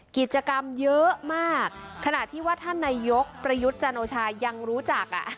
กิจกรรมเยอะมากขณะที่ว่าท่านนายกประยุทธ์จันโอชายังรู้จักอ่ะ